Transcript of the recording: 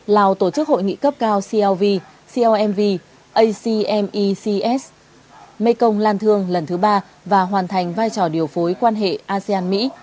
lào tổ chức hội nghị cấp cao clv clmv acmecs mê công lan thương lần thứ ba và hoàn thành vai trò điều phối quan hệ asean mỹ